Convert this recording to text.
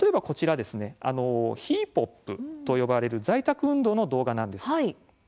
ＨＥＰＯＰと呼ばれる在宅運動の動画です。